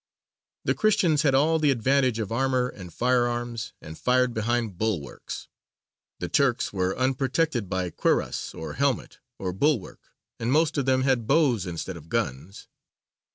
The Christians had all the advantage of armour and firearms, and fired behind bulwarks; the Turks were unprotected by cuirass or helmet or bulwark, and most of them had bows instead of guns.